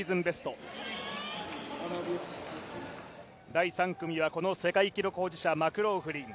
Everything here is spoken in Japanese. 第３組は世界記録保持者マクローフリン。